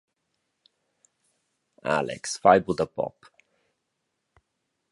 Alex … fai buca da pop.